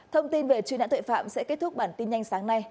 thông tin về truy nãn tội phạm sẽ kết thúc bản tin nhanh sáng nay